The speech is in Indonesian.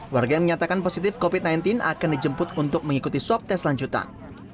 warga yang menyatakan positif covid sembilan belas akan dijemput untuk mengikuti swab tes lanjutan